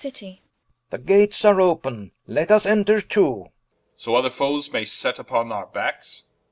The Gates are open, let vs enter too Edw. So other foes may set vpon our backs.